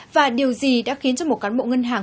và điều gì đã khiến cho một cán bộ ngân hàng